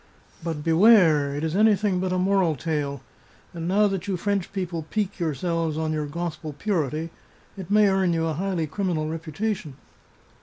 But beware ! it is anything but a moral tale, and now that you French people pique yourselves on your Gospel pu rity, it may earn you a highly criminal reputation."